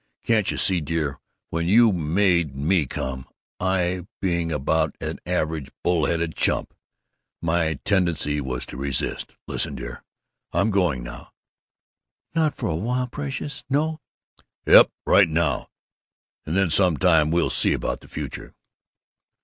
Can't you see, dear, when you made me come, I being about an average bull headed chump my tendency was to resist? Listen, dear, I'm going now " "Not for a while, precious! No!" "Yep. Right now. And then sometime we'll see about the future."